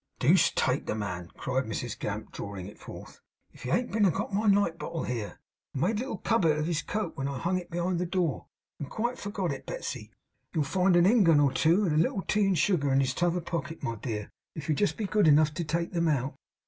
'Deuce take the man!' cried Mrs Gamp, drawing it forth. 'If he ain't been and got my night bottle here. I made a little cupboard of his coat when it hung behind the door, and quite forgot it, Betsey. You'll find a ingun or two, and a little tea and sugar in his t'other pocket, my dear, if you'll just be good enough to take 'em out.